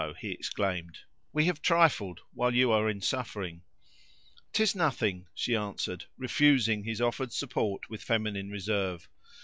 he exclaimed; "we have trifled while you are in suffering!" "'Tis nothing," she answered, refusing his support with feminine reserve.